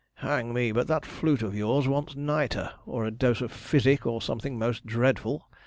'Hang me, but that flute of yours wants nitre, or a dose of physic, or something most dreadful!'